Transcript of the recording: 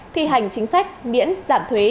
thi hành chính sách miễn giảm thuế